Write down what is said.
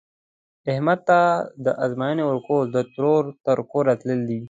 احمد ته د ازموینې ورکول، د ترور تر کوره تلل دي.